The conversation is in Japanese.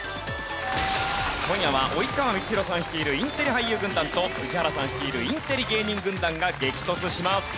今夜は及川光博さん率いるインテリ俳優軍団と宇治原さん率いるインテリ芸人軍団が激突します。